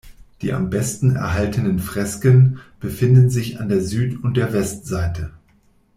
Die am besten erhaltenen Fresken befinden sich an der Süd- und der Westseite.